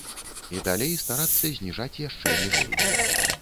І далей старацца зніжаць яшчэ ніжэй.